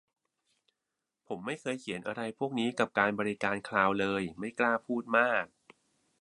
ผมไม่เคยเขียนอะไรพวกนี้กับบริการคลาวด์เลย ไม่กล้าพูดมาก